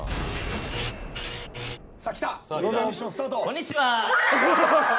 こんにちは！